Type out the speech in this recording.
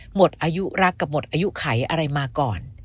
หมดอายุรักกับหมดอายุไขอะไรมาก่อน